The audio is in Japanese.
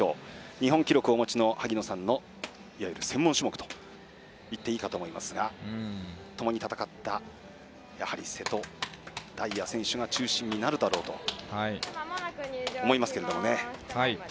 日本記録をお持ちの萩野さんの専門種目と言っていいかと思いますがともに戦った、瀬戸大也選手が中心になるだろうと思いますけれどもね。